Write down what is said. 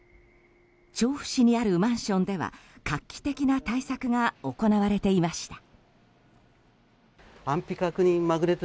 調布市にあるマンションでは画期的な対策が行われていました。